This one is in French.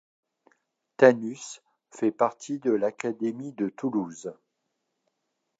Tanus fait partie de l'académie de Toulouse.